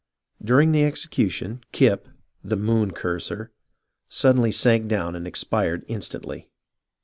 During the execution, Kip, the moon curser, suddenly sank down and expired instantly."